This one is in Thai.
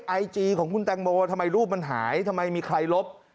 ไอจีของคุณแตงโมทำไมรูปมันหายทำไมมีใครลบ